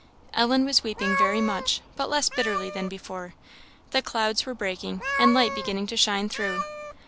Ellen was weeping very much, but less bitterly than before; the clouds were breaking, and light beginning to shine through.